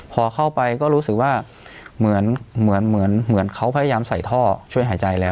พอเข้าไปก็รู้สึกว่าเหมือนเหมือนเขาพยายามใส่ท่อช่วยหายใจแล้ว